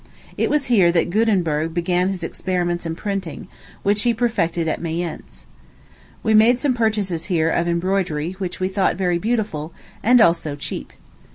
It was here that Guttemburg began his experiments in printing, which he perfected at Mayence. We made some purchases here of embroidery, which we thought very beautiful, and also cheap.